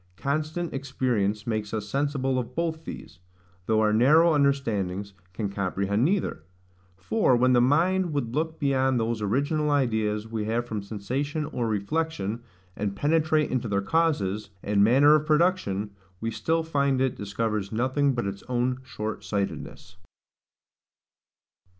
Constant experience makes us sensible of both these, though our narrow understandings can comprehend neither. For, when the mind would look beyond those original ideas we have from sensation or reflection, and penetrate into their causes, and manner of production, we find still it discovers nothing but its own short sightedness.